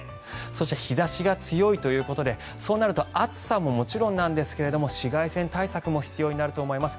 そして日差しが強いということでそうなると暑さももちろんなんですが紫外線対策も必要になると思います。